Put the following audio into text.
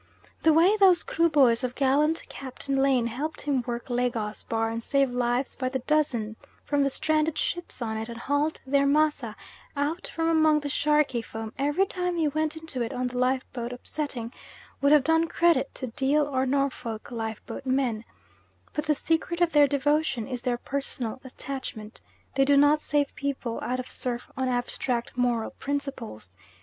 The way those Kruboys of gallant Captain Lane helped him work Lagos Bar and save lives by the dozen from the stranded ships on it and hauled their "Massa" out from among the sharkey foam every time he went into it, on the lifeboat upsetting, would have done credit to Deal or Norfolk lifeboat men, but the secret of their devotion is their personal attachment. They do not save people out of surf on abstract moral principles.